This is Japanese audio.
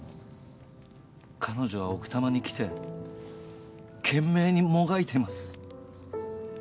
彼女は奥多摩に来て懸命にもがいてます。